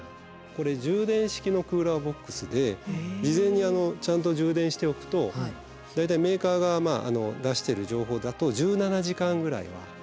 これ充電式のクーラーボックスで事前にちゃんと充電しておくと大体メーカーが出してる情報だと１７時間ぐらいは冷えてる状態。